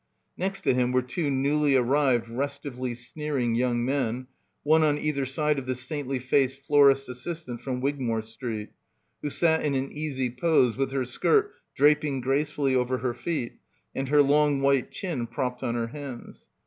Next to him were two newly arrived restively sneering young men, one on either side of the saintly faced florist's assist ant from Wigmore Street, who sat in an easy pose with her skirt draping gracefully over her feet and her long white chin propped on her hands.